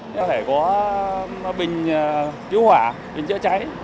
có thể có bình cứu hỏa bình chữa cháy